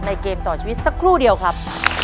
เกมต่อชีวิตสักครู่เดียวครับ